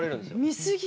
見すぎ？